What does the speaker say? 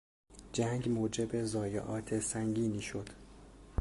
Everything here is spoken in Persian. جنگ موجب ضایعات سنگینی شد.